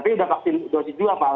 tapi sudah vaksin dosis dua pak